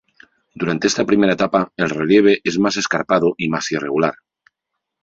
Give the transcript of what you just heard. Durante esta primera etapa, el relieve es más escarpado y más irregular.